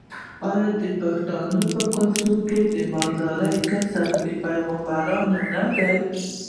آیا د پښتنو په کلتور کې د مالدارۍ کسب د پیغمبرانو نه دی؟